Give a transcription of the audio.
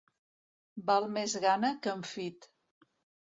Val més gana que enfit.